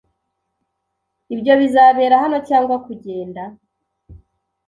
Ibyo bizabera hano cyangwa kugenda?